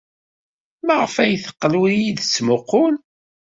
Maɣef ay teqqel ur iyi-d-tettmuqqul?